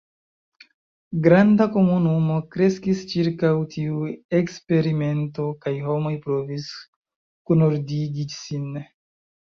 Granda komunumo kreskis ĉirkaŭ tiu eksperimento, kaj homoj provis kunordigi sin.